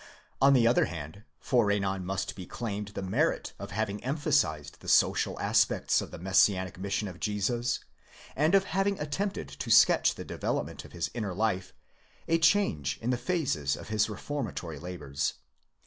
On the other hand, for Renan must be claimed the merit of having emphasised the social aspects of the Messianic mission of Jesus, and of having attempted to sketch the development of his. inner life, a change in the phases of his reformatory labours.